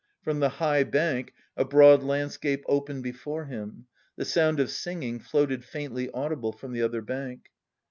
From the high bank a broad landscape opened before him, the sound of singing floated faintly audible from the other bank.